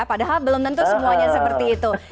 padahal belum tentu semuanya seperti itu